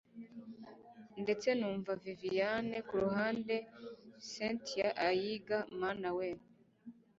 ndetse nuwa viviana kuruhande! cyntia ayiga mana weee